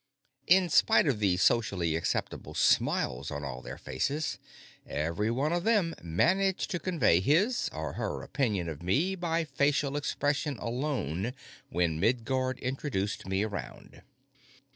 In spite of the socially acceptable smiles on all their faces, every one of them managed to convey his or her opinion of me by facial expression alone when Miguard introduced me around.